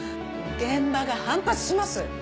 現場が反発します。